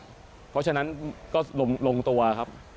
เพราะฉะนั้นก็ลงตัวครับ